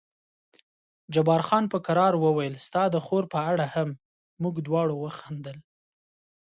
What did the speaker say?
جبار خان په کرار وویل ستا د خور په اړه هم، موږ دواړو وخندل.